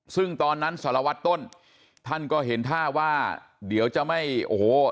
ซึ่งตอนนั้นสารวัตรต้นท่านก็เห็นท่าว่าเดี๋ยวจะไม่โอ้โห